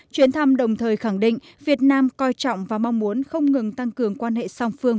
chuyến thăm đồng thời khẳng định việt nam coi trọng và mong muốn không ngừng tăng cường quan hệ song phương